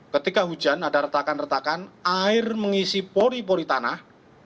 ketika hujan ada retakan retakan air mengisi pori pori tanah